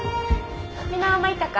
皆参ったか？